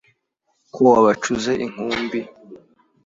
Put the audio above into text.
Ko wabacuze inkumbi